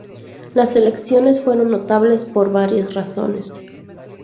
Las elecciones fueron notables por varias razones.